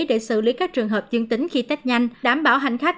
để xử lý các trường hợp dương tính khi tết nhanh đảm bảo hành khách